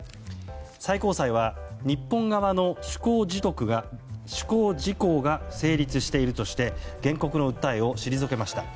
最高裁は、日本側の取得時効が成立しているとして原告の訴えを退けました。